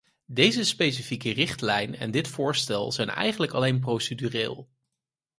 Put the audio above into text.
Deze specifieke richtlijn en dit voorstel zijn eigenlijk alleen procedureel.